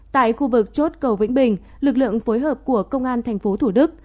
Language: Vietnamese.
tại khu vực chốt cầu vĩnh bình lực lượng phối hợp của công an thành phố thủ đức